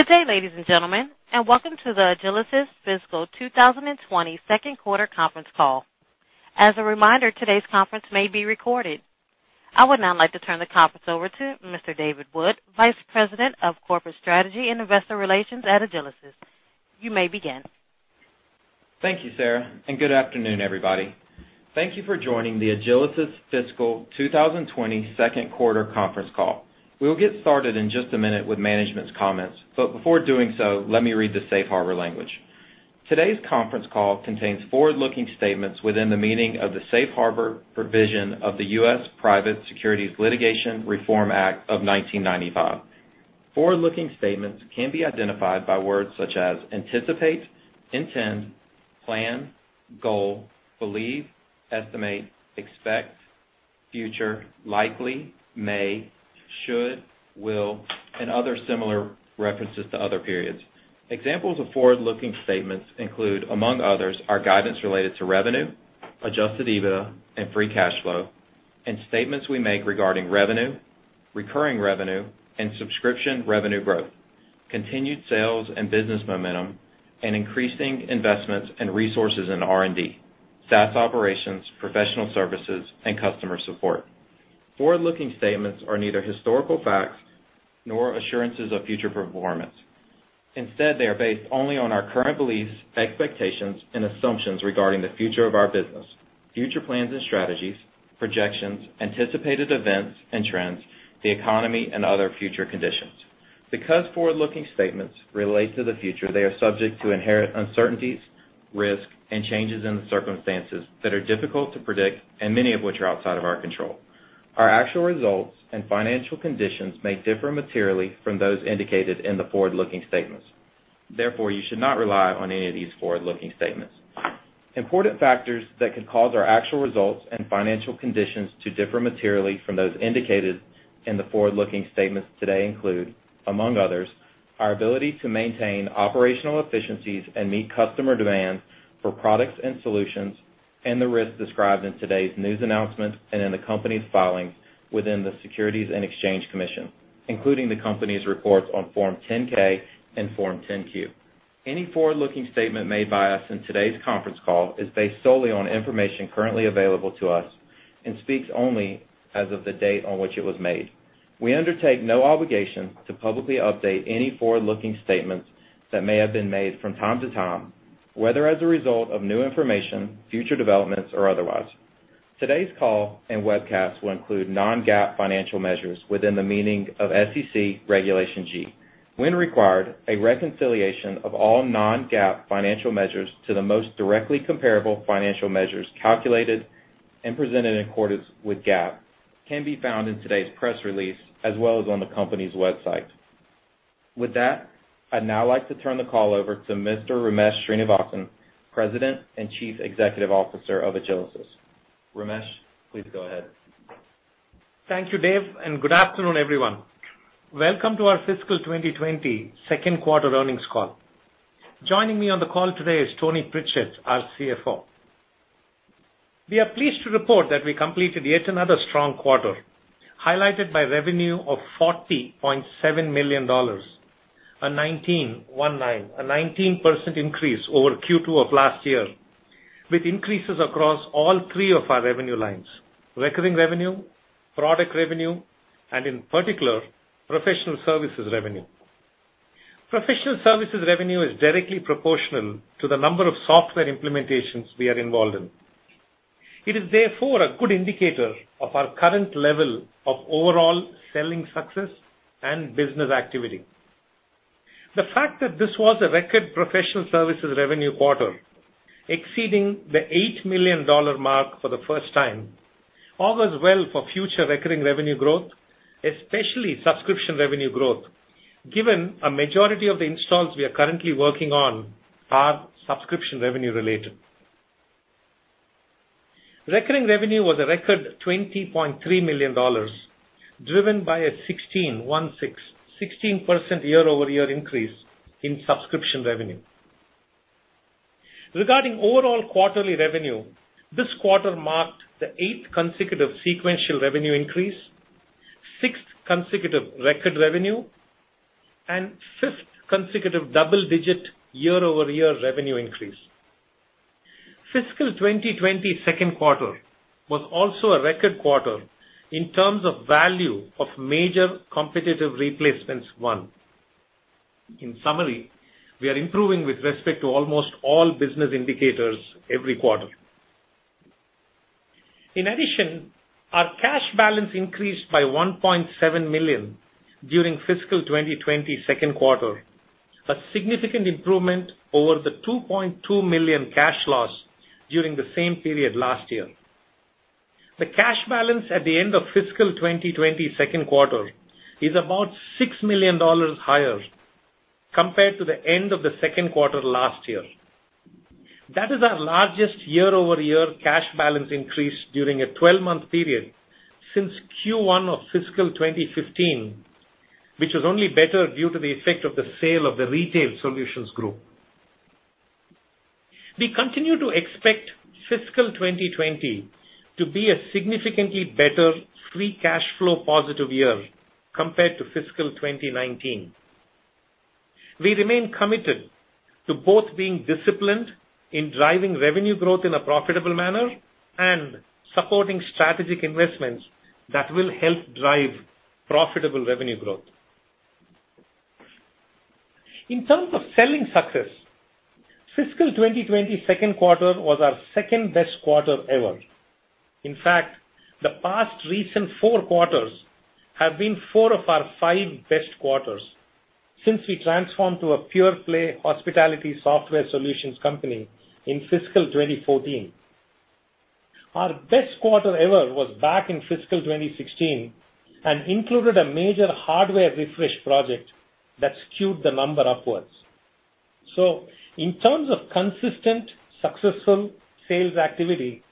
Good day, ladies and gentlemen. Welcome to the Agilysys Fiscal 2020 second quarter conference call. As a reminder, today's conference may be recorded. I would now like to turn the conference over to Mr. David Wood, Vice President of Corporate Strategy and Investor Relations at Agilysys. You may begin. Thank you, Sarah, and good afternoon, everybody. Thank you for joining the Agilysys Fiscal 2020 second quarter conference call. We will get started in just a minute with management's comments, but before doing so, let me read the safe harbor language. Today's conference call contains forward-looking statements within the meaning of the Safe Harbor provision of the U.S. Private Securities Litigation Reform Act of 1995. Forward-looking statements can be identified by words such as "anticipate," "intend," "plan," "goal," "believe," "estimate," "expect," "future," "likely," "may," "should," "will," and other similar references to other periods. Examples of forward-looking statements include, among others, our guidance related to revenue, adjusted EBITDA and free cash flow, and statements we make regarding revenue, recurring revenue, and subscription revenue growth, continued sales and business momentum, and increasing investments and resources in R&D, SaaS operations, professional services, and customer support. Forward-looking statements are neither historical facts nor assurances of future performance. Instead, they are based only on our current beliefs, expectations, and assumptions regarding the future of our business, future plans and strategies, projections, anticipated events and trends, the economy, and other future conditions. Because forward-looking statements relate to the future, they are subject to inherent uncertainties, risks, and changes in the circumstances that are difficult to predict and many of which are outside of our control. Our actual results and financial conditions may differ materially from those indicated in the forward-looking statements. Therefore, you should not rely on any of these forward-looking statements. Important factors that could cause our actual results and financial conditions to differ materially from those indicated in the forward-looking statements today include, among others, our ability to maintain operational efficiencies and meet customer demands for products and solutions, and the risks described in today's news announcement and in the company's filings with the Securities and Exchange Commission, including the company's reports on Form 10-K and Form 10-Q. Any forward-looking statement made by us in today's conference call is based solely on information currently available to us and speaks only as of the date on which it was made. We undertake no obligation to publicly update any forward-looking statements that may have been made from time to time, whether as a result of new information, future developments, or otherwise. Today's call and webcast will include non-GAAP financial measures within the meaning of SEC Regulation G. When required, a reconciliation of all non-GAAP financial measures to the most directly comparable financial measures calculated and presented in accordance with GAAP can be found in today's press release as well as on the company's website. With that, I'd now like to turn the call over to Mr. Ramesh Srinivasan, President and Chief Executive Officer of Agilysys. Ramesh, please go ahead. Thank you, Dave. Good afternoon, everyone. Welcome to our fiscal 2020 second quarter earnings call. Joining me on the call today is Tony Pritchett, our CFO. We are pleased to report that we completed yet another strong quarter, highlighted by revenue of $40.7 million, a 19, one nine, a 19% increase over Q2 of last year, with increases across all three of our revenue lines, recurring revenue, product revenue, and in particular, professional services revenue. Professional services revenue is directly proportional to the number of software implementations we are involved in. It is therefore a good indicator of our current level of overall selling success and business activity. The fact that this was a record professional services revenue quarter, exceeding the $8 million mark for the first time, all goes well for future recurring revenue growth, especially subscription revenue growth, given a majority of the installs we are currently working on are subscription revenue related. Recurring revenue was a record $20.3 million, driven by a 16% year-over-year increase in subscription revenue. Regarding overall quarterly revenue, this quarter marked the eighth consecutive sequential revenue increase, sixth consecutive record revenue, and fifth consecutive double-digit year-over-year revenue increase. Fiscal 2020 second quarter was also a record quarter in terms of value of major competitive replacements won. In summary, we are improving with respect to almost all business indicators every quarter. In addition, our cash balance increased by $1.7 million during fiscal 2020 second quarter, a significant improvement over the $2.2 million cash loss during the same period last year. The cash balance at the end of fiscal 2020 second quarter is about $6 million higher compared to the end of the second quarter last year. That is our largest year-over-year cash balance increase during a 12-month period since Q1 of fiscal 2015, which was only better due to the effect of the sale of the Retail Solutions Group. We continue to expect fiscal 2020 to be a significantly better free cash flow positive year compared to fiscal 2019. We remain committed to both being disciplined in driving revenue growth in a profitable manner and supporting strategic investments that will help drive profitable revenue growth. In terms of selling success, fiscal 2020 second quarter was our second-best quarter ever. In fact, the past recent 4 quarters have been 4 of our 5 best quarters since we transformed to a pure-play hospitality software solutions company in fiscal 2014. Our best quarter ever was back in fiscal 2016 and included a major hardware refresh project that skewed the number upwards. In terms of consistent successful sales activity,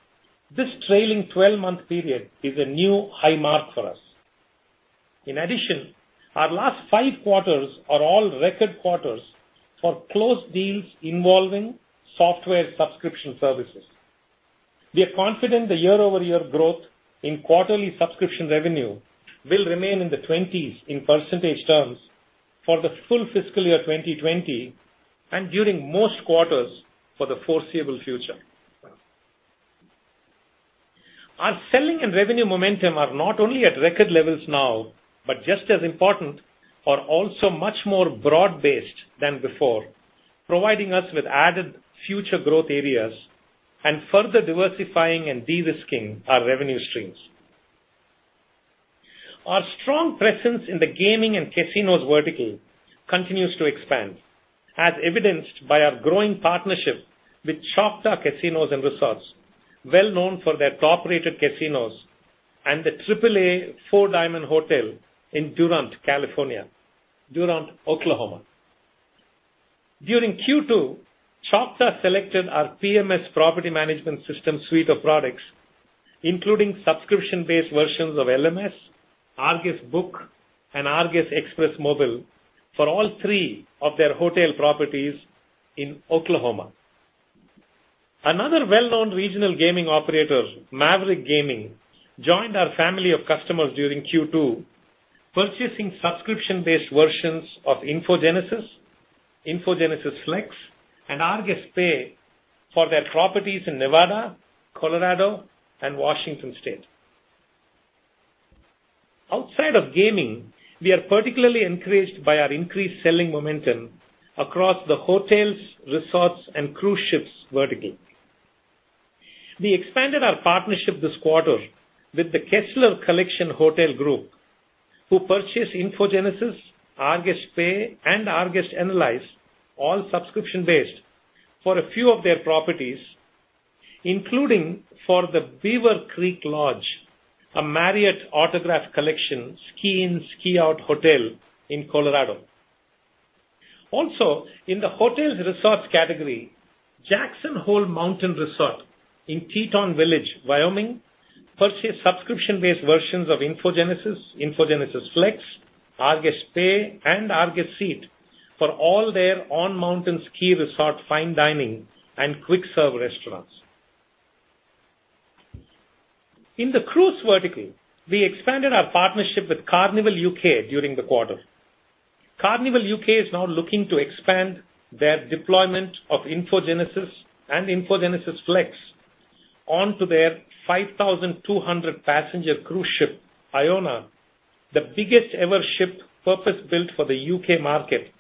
this trailing 12-month period is a new high mark for us. In addition, our last 5 quarters are all record quarters for closed deals involving software subscription services. We are confident the year-over-year growth in quarterly subscription revenue will remain in the 20s in percentage terms for the full fiscal year 2020 and during most quarters for the foreseeable future. Our selling and revenue momentum are not only at record levels now, but just as important, are also much more broad-based than before, providing us with added future growth areas and further diversifying and de-risking our revenue streams. Our strong presence in the gaming and casinos vertical continues to expand, as evidenced by our growing partnership with Choctaw Casinos & Resorts, well-known for their top-rated casinos and the AAA Four Diamond Hotel in Durant, Oklahoma. During Q2, Choctaw selected our PMS property management system suite of products, including subscription-based versions of LMS, rGuest Book, and rGuest Express Mobile for all three of their hotel properties in Oklahoma. Another well-known regional gaming operator, Maverick Gaming, joined our family of customers during Q2, purchasing subscription-based versions of InfoGenesis Flex, and rGuest Pay for their properties in Nevada, Colorado, and Washington State. Outside of gaming, we are particularly encouraged by our increased selling momentum across the hotels, resorts, and cruise ships vertical. We expanded our partnership this quarter with the Kessler Collection Hotel Group, who purchased InfoGenesis, rGuest Pay, and rGuest Analyze, all subscription-based, for a few of their properties, including for the Beaver Creek Lodge, a Marriott Autograph Collection ski-in, ski-out hotel in Colorado. In the hotels resorts category, Jackson Hole Mountain Resort in Teton Village, Wyoming, purchased subscription-based versions of InfoGenesis Flex, rGuest Pay, and rGuest Seat for all their on-mountain ski resort fine dining and quick-serve restaurants. In the cruise vertical, we expanded our partnership with Carnival UK during the quarter. Carnival UK is now looking to expand their deployment of InfoGenesis and InfoGenesis Flex onto their 5,200-passenger cruise ship, Iona, the biggest ever ship purpose-built for the U.K. market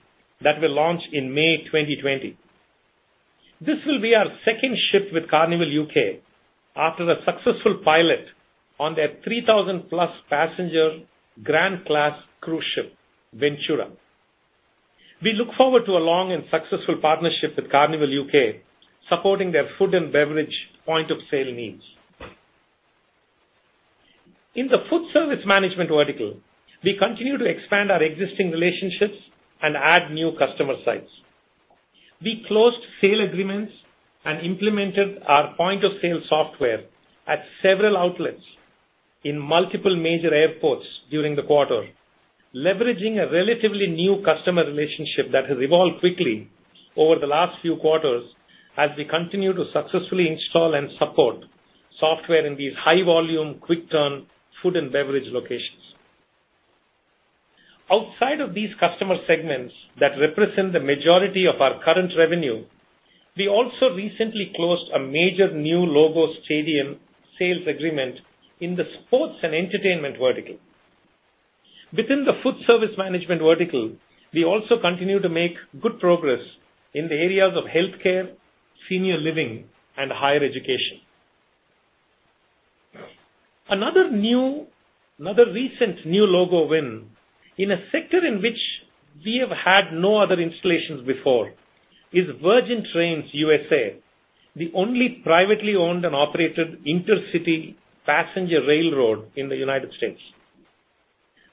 that will launch in May 2020. This will be our second ship with Carnival UK after the successful pilot on their 3,000-plus passenger Grand-class cruise ship, Ventura. We look forward to a long and successful partnership with Carnival UK, supporting their food and beverage point of sale needs. In the food service management vertical, we continue to expand our existing relationships and add new customer sites. We closed sale agreements and implemented our point of sale software at several outlets in multiple major airports during the quarter, leveraging a relatively new customer relationship that has evolved quickly over the last few quarters as we continue to successfully install and support software in these high-volume, quick-turn food and beverage locations. Outside of these customer segments that represent the majority of our current revenue, we also recently closed a major new logo stadium sales agreement in the sports and entertainment vertical. Within the food service management vertical, we also continue to make good progress in the areas of healthcare, senior living, and higher education. Another recent new logo win in a sector in which we have had no other installations before is Virgin Trains USA, the only privately owned and operated intercity passenger railroad in the United States.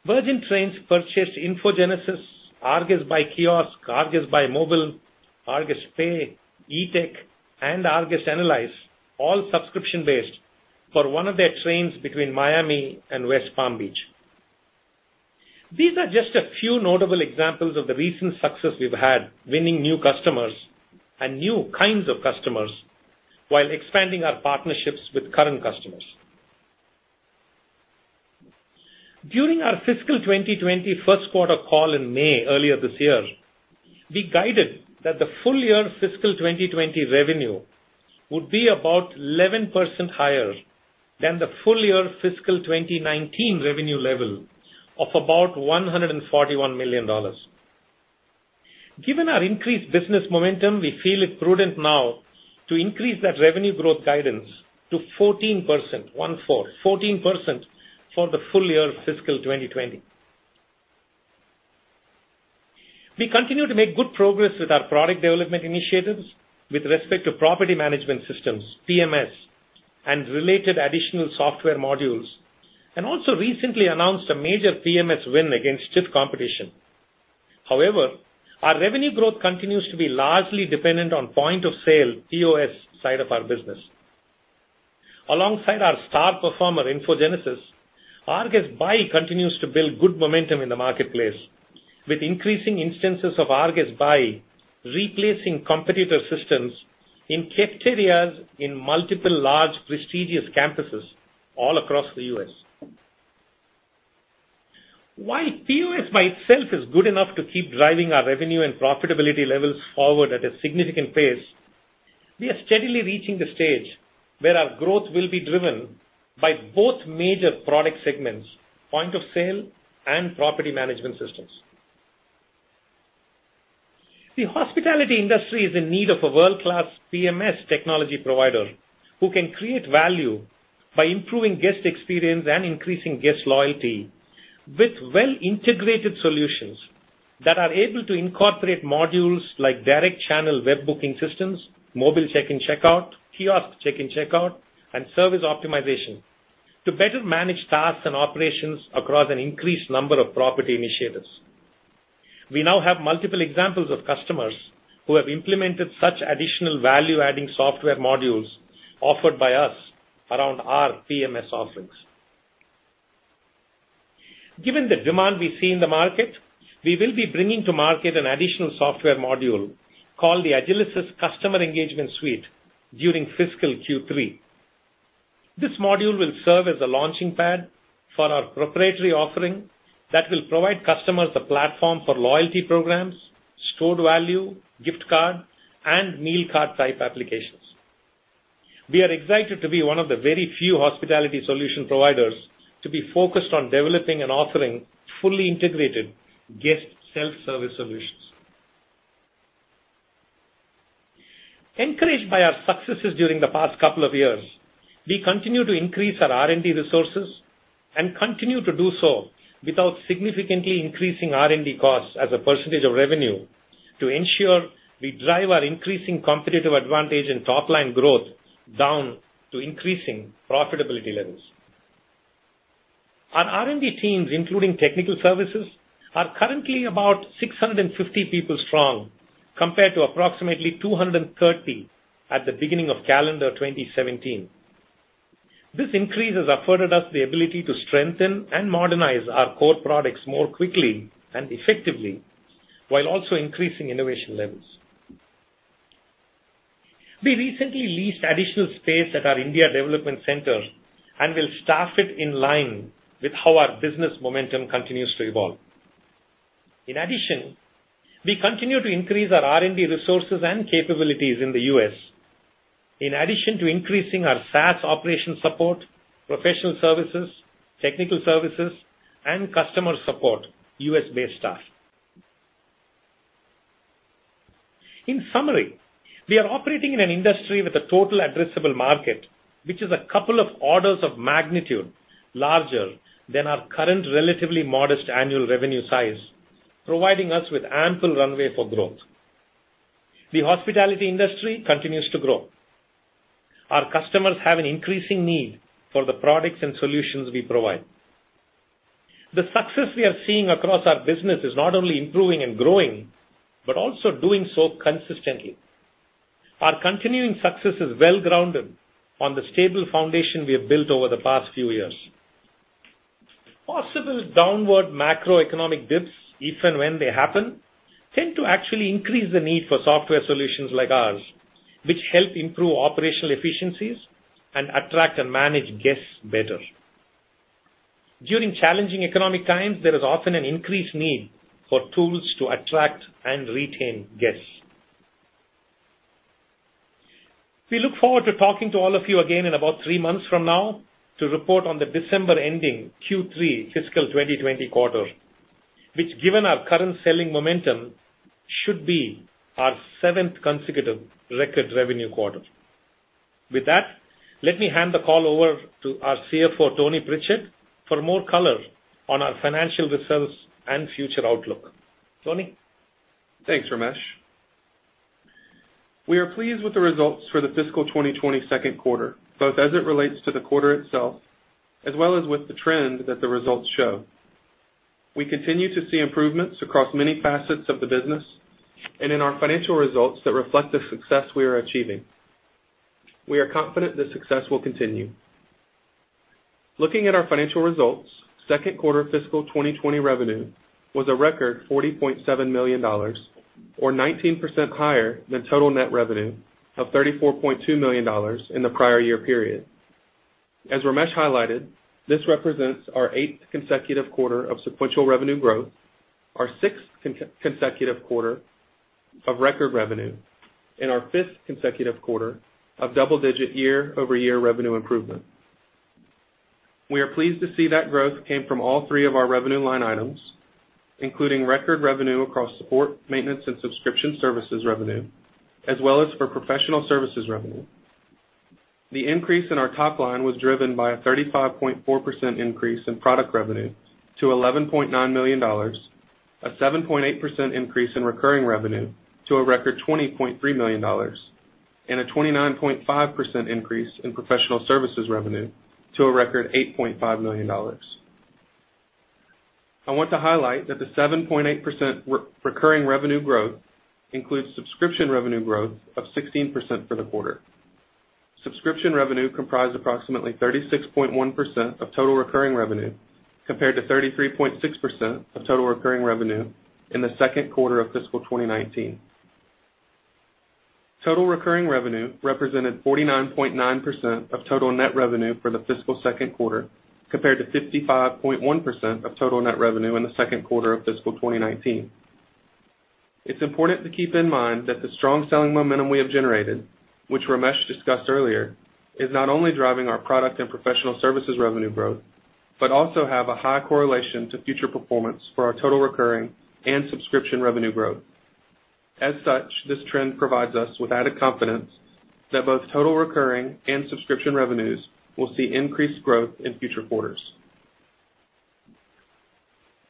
Virgin Trains purchased InfoGenesis, rGuest Buy, rGuest Buy OnDemand, rGuest Pay, Eatec, and rGuest Analyze, all subscription-based, for one of their trains between Miami and West Palm Beach. These are just a few notable examples of the recent success we've had winning new customers and new kinds of customers while expanding our partnerships with current customers. During our fiscal 2020 first quarter call in May earlier this year, we guided that the full year fiscal 2020 revenue would be about 11% higher than the full year fiscal 2019 revenue level of about $141 million. Given our increased business momentum, we feel it prudent now to increase that revenue growth guidance to 14%, 1-4, 14% for the full year of fiscal 2020. We continue to make good progress with our product development initiatives with respect to property management systems, PMS, and related additional software modules, and also recently announced a major PMS win against stiff competition. However, our revenue growth continues to be largely dependent on point of sale, POS, side of our business. Alongside our star performer, InfoGenesis, rGuest Analyze continues to build good momentum in the marketplace with increasing instances of rGuest Analyze replacing competitor systems in cafeterias in multiple large, prestigious campuses all across the U.S. While POS by itself is good enough to keep driving our revenue and profitability levels forward at a significant pace, we are steadily reaching the stage where our growth will be driven by both major product segments, point of sale and property management systems. The hospitality industry is in need of a world-class PMS technology provider who can create value by improving guest experience and increasing guest loyalty with well-integrated solutions that are able to incorporate modules like direct channel web booking systems, mobile check-in/check-out, kiosk check-in/check-out, and service optimization to better manage tasks and operations across an increased number of property initiatives. We now have multiple examples of customers who have implemented such additional value-adding software modules offered by us around our PMS offerings. Given the demand we see in the market, we will be bringing to market an additional software module called the Agilysys Customer Engagement Suite during fiscal Q3. This module will serve as a launching pad for our proprietary offering that will provide customers a platform for loyalty programs, stored value, gift card, and meal card-type applications. We are excited to be one of the very few hospitality solution providers to be focused on developing and offering fully integrated guest self-service solutions. Encouraged by our successes during the past couple of years, we continue to increase our R&D resources and continue to do so without significantly increasing R&D costs as a percentage of revenue to ensure we drive our increasing competitive advantage and top-line growth down to increasing profitability levels. Our R&D teams, including professional services, are currently about 650 people strong, compared to approximately 230 at the beginning of calendar 2017. This increase has afforded us the ability to strengthen and modernize our core products more quickly and effectively while also increasing innovation levels. We recently leased additional space at our India development center and will staff it in line with how our business momentum continues to evolve. We continue to increase our R&D resources and capabilities in the U.S., in addition to increasing our SaaS operation support, professional services, technical services, and customer support U.S.-based staff. In summary, we are operating in an industry with a total addressable market, which is a couple of orders of magnitude larger than our current relatively modest annual revenue size, providing us with ample runway for growth. The hospitality industry continues to grow. Our customers have an increasing need for the products and solutions we provide. The success we are seeing across our business is not only improving and growing, but also doing so consistently. Our continuing success is well-grounded on the stable foundation we have built over the past few years. Possible downward macroeconomic dips, if and when they happen, tend to actually increase the need for software solutions like ours, which help improve operational efficiencies and attract and manage guests better. During challenging economic times, there is often an increased need for tools to attract and retain guests. We look forward to talking to all of you again in about three months from now to report on the December-ending Q3 fiscal 2020 quarter, which, given our current selling momentum, should be our seventh consecutive record revenue quarter. With that, let me hand the call over to our CFO, Tony Pritchett, for more color on our financial results and future outlook. Tony? Thanks, Ramesh. We are pleased with the results for the fiscal 2020 second quarter, both as it relates to the quarter itself, as well as with the trend that the results show. We continue to see improvements across many facets of the business and in our financial results that reflect the success we are achieving. We are confident this success will continue. Looking at our financial results, second quarter fiscal 2020 revenue was a record $40.7 million, or 19% higher than total net revenue of $34.2 million in the prior year period. As Ramesh highlighted, this represents our eighth consecutive quarter of sequential revenue growth, our sixth consecutive quarter of record revenue, and our fifth consecutive quarter of double-digit year-over-year revenue improvement. We are pleased to see that growth came from all three of our revenue line items, including record revenue across support, maintenance, and subscription services revenue, as well as for professional services revenue. The increase in our top line was driven by a 35.4% increase in product revenue to $11.9 million, a 7.8% increase in recurring revenue to a record $20.3 million, and a 29.5% increase in professional services revenue to a record $8.5 million. I want to highlight that the 7.8% recurring revenue growth includes subscription revenue growth of 16% for the quarter. Subscription revenue comprised approximately 36.1% of total recurring revenue, compared to 33.6% of total recurring revenue in the second quarter of fiscal 2019. Total recurring revenue represented 49.9% of total net revenue for the fiscal second quarter, compared to 55.1% of total net revenue in the second quarter of fiscal 2019. It's important to keep in mind that the strong selling momentum we have generated, which Ramesh discussed earlier, is not only driving our product and professional services revenue growth, but also have a high correlation to future performance for our total recurring and subscription revenue growth. As such, this trend provides us with added confidence that both total recurring and subscription revenues will see increased growth in future quarters.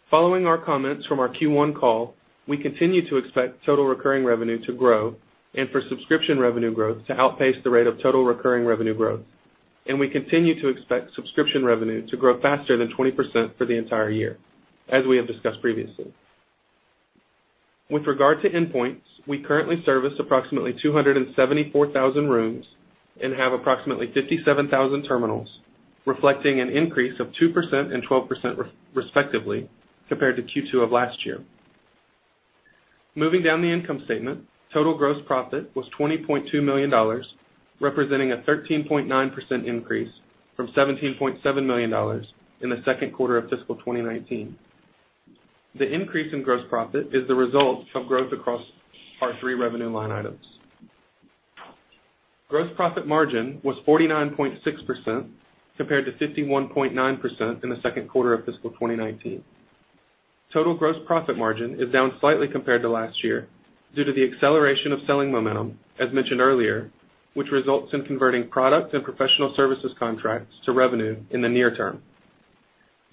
Following our comments from our Q1 call, we continue to expect total recurring revenue to grow and for subscription revenue growth to outpace the rate of total recurring revenue growth. We continue to expect subscription revenue to grow faster than 20% for the entire year, as we have discussed previously. With regard to endpoints, we currently service approximately 274,000 rooms and have approximately 57,000 terminals, reflecting an increase of 2% and 12% respectively compared to Q2 of last year. Moving down the income statement, total gross profit was $20.2 million, representing a 13.9% increase from $17.7 million in the second quarter of fiscal 2019. The increase in gross profit is the result of growth across our three revenue line items. Gross profit margin was 49.6%, compared to 51.9% in the second quarter of fiscal 2019. Total gross profit margin is down slightly compared to last year due to the acceleration of selling momentum, as mentioned earlier, which results in converting product and professional services contracts to revenue in the near term.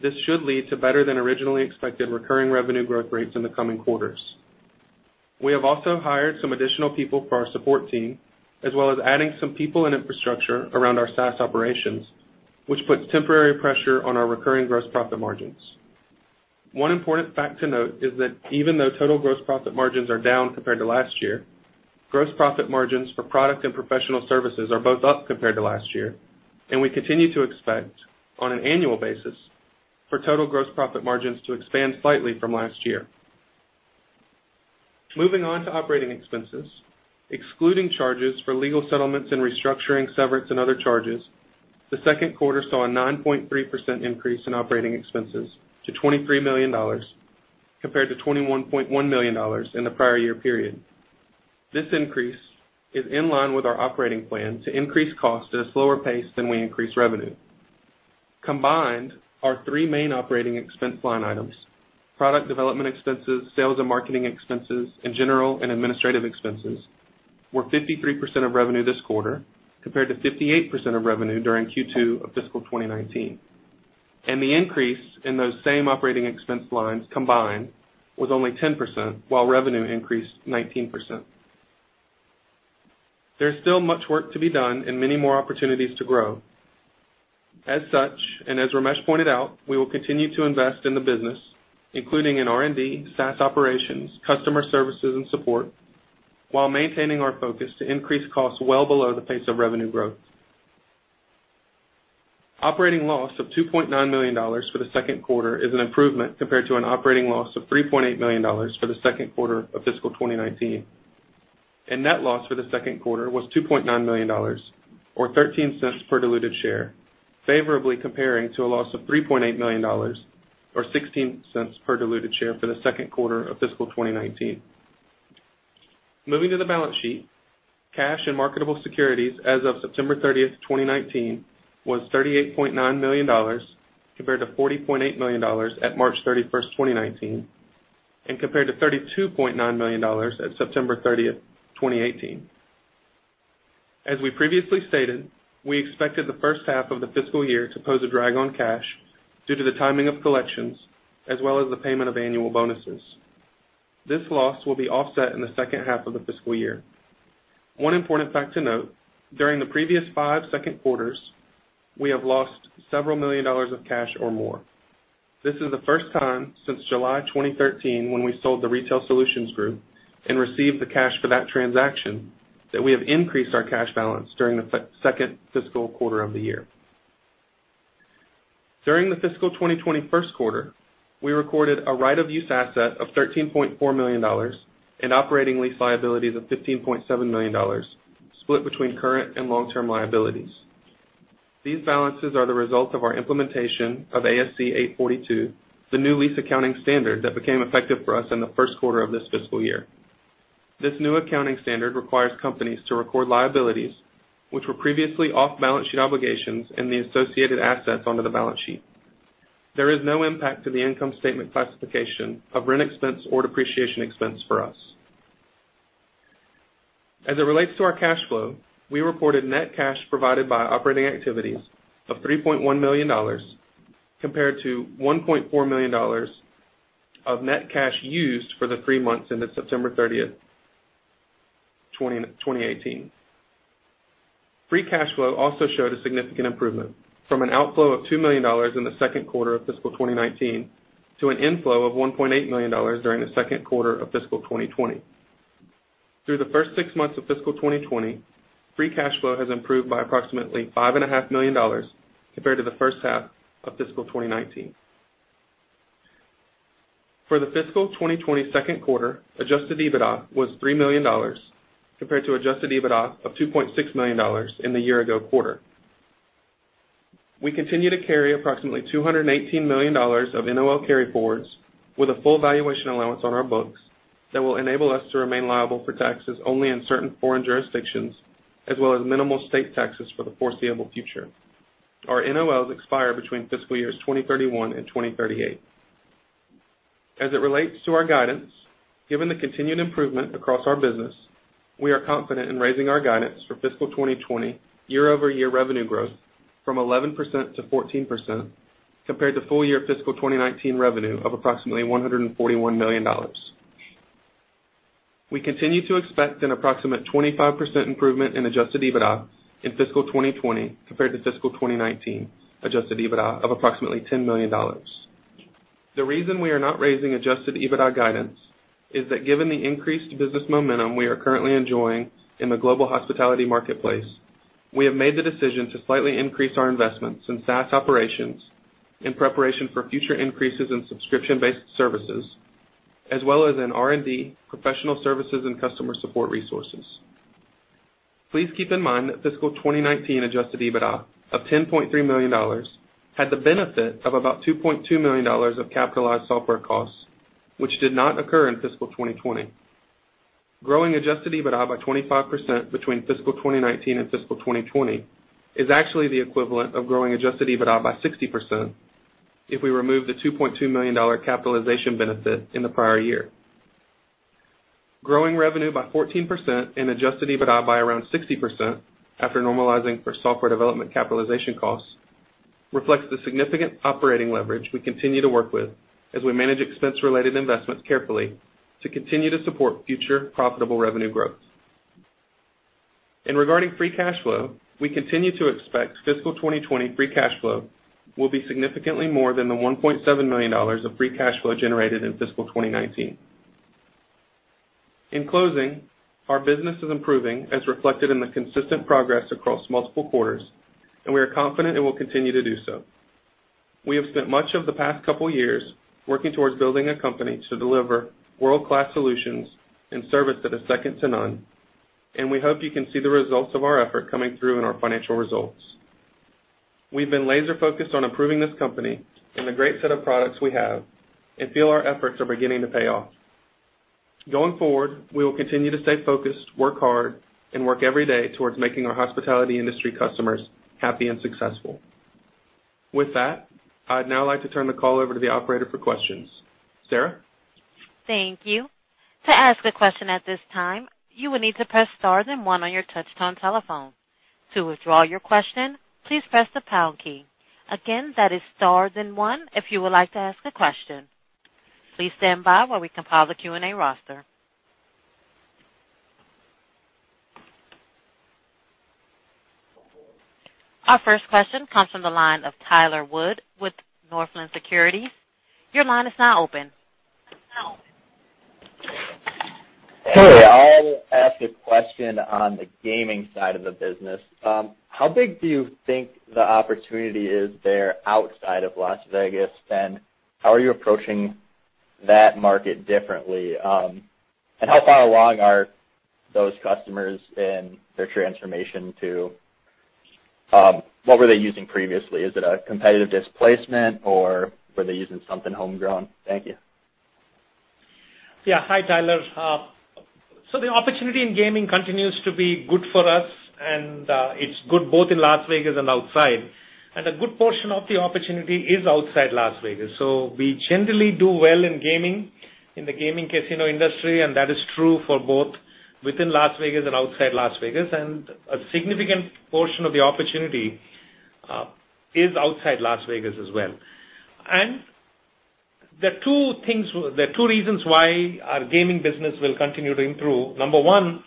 This should lead to better than originally expected recurring revenue growth rates in the coming quarters. We have also hired some additional people for our support team, as well as adding some people and infrastructure around our SaaS operations, which puts temporary pressure on our recurring gross profit margins. One important fact to note is that even though total gross profit margins are down compared to last year, gross profit margins for product and professional services are both up compared to last year, and we continue to expect, on an annual basis, for total gross profit margins to expand slightly from last year. Moving on to operating expenses, excluding charges for legal settlements and restructuring severance and other charges, the second quarter saw a 9.3% increase in operating expenses to $23 million, compared to $21.1 million in the prior year period. This increase is in line with our operating plan to increase cost at a slower pace than we increase revenue. Combined, our three main operating expense line items, product development expenses, sales and marketing expenses, and general and administrative expenses, were 53% of revenue this quarter, compared to 58% of revenue during Q2 of fiscal 2019. The increase in those same operating expense lines combined was only 10%, while revenue increased 19%. There is still much work to be done and many more opportunities to grow. As such, and as Ramesh pointed out, we will continue to invest in the business, including in R&D, SaaS operations, customer services, and support, while maintaining our focus to increase costs well below the pace of revenue growth. Operating loss of $2.9 million for the second quarter is an improvement compared to an operating loss of $3.8 million for the second quarter of fiscal 2019. Net loss for the second quarter was $2.9 million, or $0.13 per diluted share, favorably comparing to a loss of $3.8 million, or $0.16 per diluted share for the second quarter of fiscal 2019. Moving to the balance sheet, cash and marketable securities as of September 30th, 2019, was $38.9 million, compared to $40.8 million at March 31st, 2019, and compared to $32.9 million at September 30th, 2018. As we previously stated, we expected the first half of the fiscal year to pose a drag on cash due to the timing of collections, as well as the payment of annual bonuses. This loss will be offset in the second half of the fiscal year. One important fact to note, during the previous five second quarters, we have lost several million dollars of cash or more. This is the first time since July 2013, when we sold the Retail Solutions Group and received the cash for that transaction, that we have increased our cash balance during the second fiscal quarter of the year. During the fiscal 2020 first quarter, we recorded a right of use asset of $13.4 million and operating lease liabilities of $15.7 million, split between current and long-term liabilities. These balances are the result of our implementation of ASC 842, the new lease accounting standard that became effective for us in the first quarter of this fiscal year. This new accounting standard requires companies to record liabilities, which were previously off-balance sheet obligations and the associated assets, onto the balance sheet. There is no impact to the income statement classification of rent expense or depreciation expense for us. As it relates to our cash flow, we reported net cash provided by operating activities of $3.1 million compared to $1.4 million of net cash used for the three months ended September 30th, 2018. Free cash flow also showed a significant improvement from an outflow of $2 million in the second quarter of fiscal 2019 to an inflow of $1.8 million during the second quarter of fiscal 2020. Through the first six months of fiscal 2020, free cash flow has improved by approximately $5.5 million compared to the first half of fiscal 2019. For the fiscal 2020 second quarter, adjusted EBITDA was $3 million compared to adjusted EBITDA of $2.6 million in the year-ago quarter. We continue to carry approximately $218 million of NOL carryforwards with a full valuation allowance on our books that will enable us to remain liable for taxes only in certain foreign jurisdictions, as well as minimal state taxes for the foreseeable future. Our NOLs expire between fiscal years 2031 and 2038. As it relates to our guidance, given the continued improvement across our business, we are confident in raising our guidance for fiscal 2020 year-over-year revenue growth from 11%-14%, compared to full year fiscal 2019 revenue of approximately $141 million. We continue to expect an approximate 25% improvement in adjusted EBITDA in fiscal 2020 compared to fiscal 2019 adjusted EBITDA of approximately $10 million. The reason we are not raising adjusted EBITDA guidance is that given the increased business momentum we are currently enjoying in the global hospitality marketplace, we have made the decision to slightly increase our investments in SaaS operations in preparation for future increases in subscription-based services, as well as in R&D, professional services, and customer support resources. Please keep in mind that fiscal 2019 adjusted EBITDA of $10.3 million had the benefit of about $2.2 million of capitalized software costs, which did not occur in fiscal 2020. Growing adjusted EBITDA by 25% between fiscal 2019 and fiscal 2020 is actually the equivalent of growing adjusted EBITDA by 60% if we remove the $2.2 million capitalization benefit in the prior year. Growing revenue by 14% and adjusted EBITDA by around 60%, after normalizing for software development capitalization costs, reflects the significant operating leverage we continue to work with as we manage expense-related investments carefully to continue to support future profitable revenue growth. Regarding free cash flow, we continue to expect fiscal 2020 free cash flow will be significantly more than the $1.7 million of free cash flow generated in fiscal 2019. In closing, our business is improving as reflected in the consistent progress across multiple quarters, and we are confident it will continue to do so. We have spent much of the past couple years working towards building a company to deliver world-class solutions and service that is second to none, and we hope you can see the results of our effort coming through in our financial results. We've been laser-focused on improving this company and the great set of products we have and feel our efforts are beginning to pay off. Going forward, we will continue to stay focused, work hard, and work every day towards making our hospitality industry customers happy and successful. With that, I'd now like to turn the call over to the operator for questions. Sarah? Thank you. To ask a question at this time, you will need to press star then one on your touch-tone telephone. To withdraw your question, please press the pound key. Again, that is star then one if you would like to ask a question. Please stand by while we compile the Q&A roster. Our first question comes from the line of Tyler Wood with Northland Securities. Your line is now open. Hey. I'll ask a question on the gaming side of the business. How big do you think the opportunity is there outside of Las Vegas, and how are you approaching that market differently? How far along are those customers in their transformation? What were they using previously? Is it a competitive displacement, or were they using something homegrown? Thank you. Yeah. Hi, Tyler. The opportunity in gaming continues to be good for us, and it's good both in Las Vegas and outside. A good portion of the opportunity is outside Las Vegas. We generally do well in gaming, in the gaming casino industry, and that is true for both within Las Vegas and outside Las Vegas. A significant portion of the opportunity is outside Las Vegas as well. There are two reasons why our gaming business will continue to improve. Number one,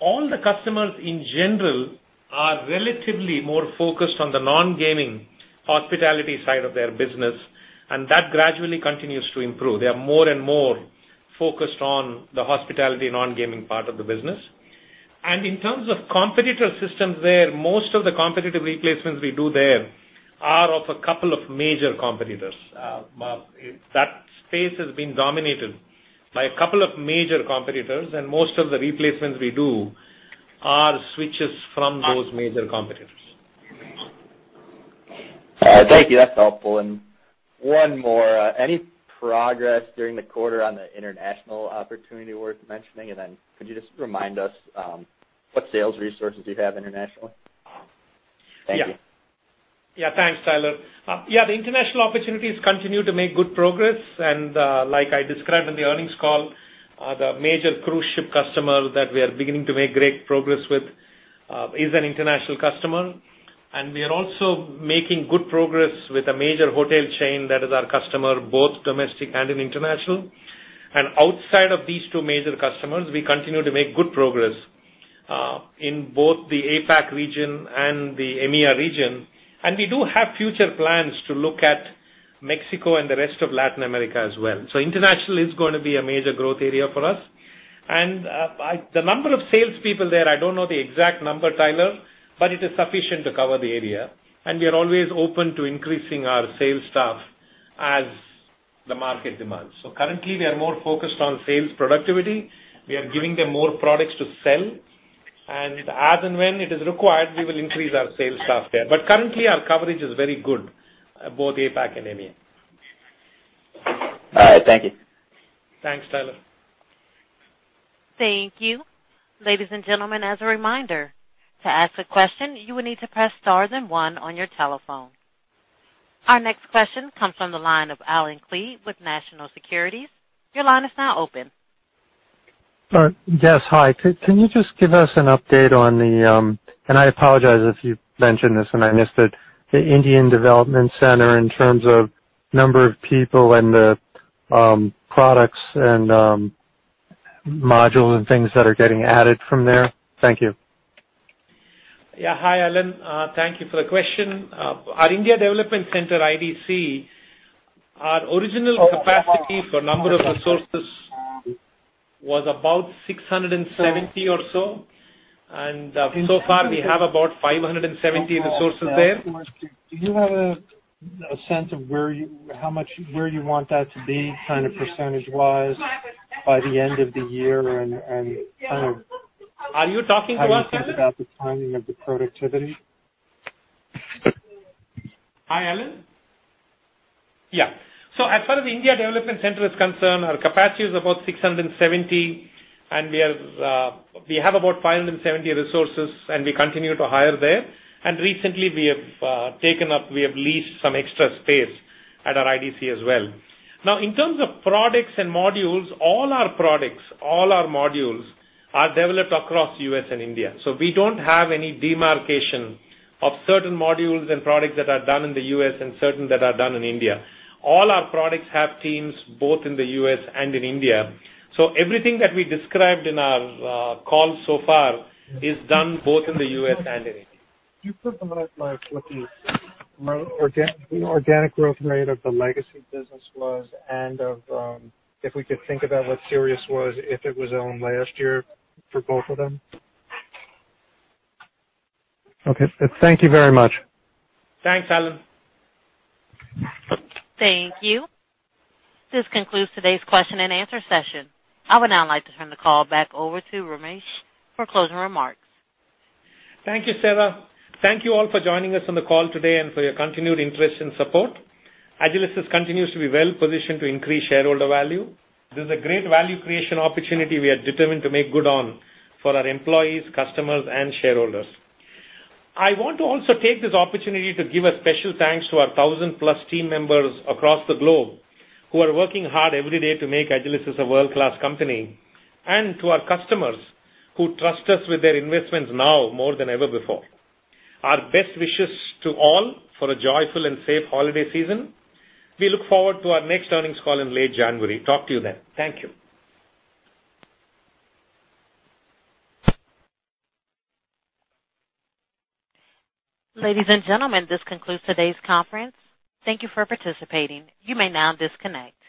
all the customers in general are relatively more focused on the non-gaming hospitality side of their business, and that gradually continues to improve. They are more and more focused on the hospitality non-gaming part of the business. In terms of competitor systems there, most of the competitive replacements we do there are of a couple of major competitors. That space has been dominated by a couple of major competitors, and most of the replacements we do are switches from those major competitors. Okay. Thank you. That's helpful. One more. Any progress during the quarter on the international opportunity worth mentioning? Could you just remind us what sales resources you have internationally? Thank you. Yeah. Thanks, Tyler. Yeah, the international opportunities continue to make good progress, and, like I described in the earnings call, the major cruise ship customer that we are beginning to make great progress with is an international customer. We are also making good progress with a major hotel chain that is our customer, both domestic and in international. Outside of these two major customers, we continue to make good progress, in both the APAC region and the EMEA region. We do have future plans to look at Mexico and the rest of Latin America as well. Internationally is going to be a major growth area for us. The number of salespeople there, I don't know the exact number, Tyler, but it is sufficient to cover the area, and we are always open to increasing our sales staff as the market demands. Currently, we are more focused on sales productivity. We are giving them more products to sell. As and when it is required, we will increase our sales staff there. Currently, our coverage is very good, both APAC and EMEA. All right. Thank you. Thanks, Tyler. Thank you. Ladies and gentlemen, as a reminder, to ask a question, you will need to press star then one on your telephone. Our next question comes from the line of Allen Klee with National Securities. Your line is now open. Yes. Hi. Can you just give us an update on the, and I apologize if you mentioned this and I missed it, the Indian Development Center in terms of number of people and the products and modules and things that are getting added from there? Thank you. Hi, Allen. Thank you for the question. Our India Development Center, IDC, our original capacity for number of resources was about 670 or so. So far, we have about 570 resources there. Do you have a sense of where you want that to be, kind of percentage-wise by the end of the year? Are you talking to us, Allen? How you think about the timing of the productivity? Allen? Yeah. As far as the India Development Center is concerned, our capacity is about 670, and we have about 570 resources, and we continue to hire there. Recently we have leased some extra space at our IDC as well. Now, in terms of products and modules, all our products, all our modules are developed across U.S. and India. We don't have any demarcation of certain modules and products that are done in the U.S. and certain that are done in India. All our products have teams both in the U.S. and in India. Everything that we described in our call so far is done both in the U.S. and in India. Can you put some numbers on what the organic growth rate of the legacy business was and if we could think about what [share it] was if it was owned last year for both of them? Okay. Thank you very much. Thanks, Allen. Thank you. This concludes today's question and answer session. I would now like to turn the call back over to Ramesh for closing remarks. Thank you, Sarah. Thank you all for joining us on the call today and for your continued interest and support. Agilysys continues to be well-positioned to increase shareholder value. This is a great value creation opportunity we are determined to make good on for our employees, customers, and shareholders. I want to also take this opportunity to give a special thanks to our 1,000-plus team members across the globe who are working hard every day to make Agilysys a world-class company, and to our customers who trust us with their investments now more than ever before. Our best wishes to all for a joyful and safe holiday season. We look forward to our next earnings call in late January. Talk to you then. Thank you. Ladies and gentlemen, this concludes today's conference. Thank you for participating. You may now disconnect.